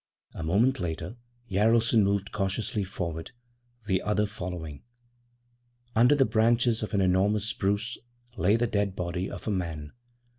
A moment later Jaralson moved cautiously forward, the other following. Under the branches of an enormous spruce lay the dead body of a man.